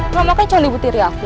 mama kan cong di butir ya aku